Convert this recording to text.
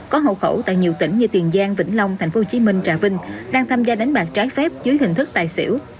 có hậu khẩu tại nhiều tỉnh như tiền giang vĩnh long tp hcm trà vinh đang tham gia đánh bạc trái phép dưới hình thức tài xỉu